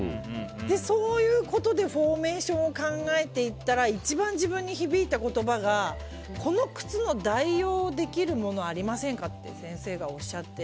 そういうことでフォーメーションを考えていったら一番、自分に響いた言葉がこの靴の代用できるものありませんかって先生がおっしゃって。